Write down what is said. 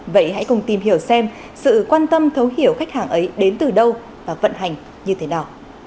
vậy hãy cùng tìm hiểu xem sự quan tâm thấu hiểu khách hàng ấy đến từ đâu và vận hành như thế nào